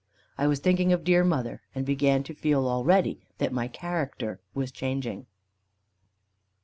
I was thinking of dear mother; and began to feel already that my character was changing.